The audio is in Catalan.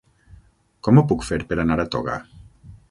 Com ho puc fer per anar a Toga?